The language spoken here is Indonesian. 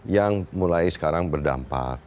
yang mulai sekarang berdampak